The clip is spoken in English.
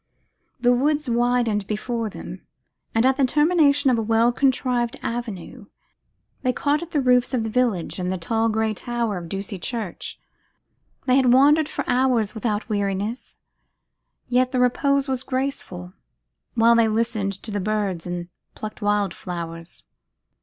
The woods widened before them, and at the termination of a well contrived avenue, they caught the roofs of the village and the tall grey tower of Ducie Church. They had wandered for hours without weariness, yet the repose was grateful, while they listened to the birds, and plucked wildflowers.